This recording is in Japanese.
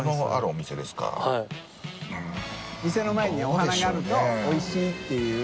お花があるとおいしいっていう。